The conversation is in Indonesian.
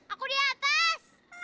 aku di atas